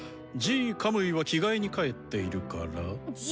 Ｇ・カムイは着替えに帰っているから。